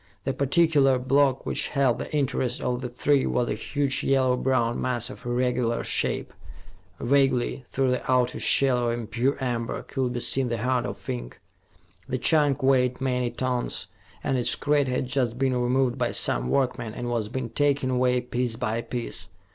The particular block which held the interest of the three was a huge yellow brown mass of irregular shape. Vaguely, through the outer shell of impure amber, could be seen the heart of ink. The chunk weighed many tons, and its crate had just been removed by some workmen and was being taken away, piece by piece.